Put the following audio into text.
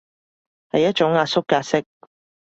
係一種壓縮格式